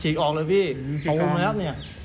ใช่ตัวมีหรือไม๊